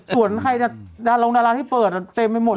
ซวนใครร้องดาราที่เปิดต้องเต็มเป็นหมด